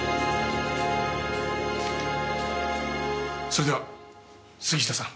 それでは杉下さん。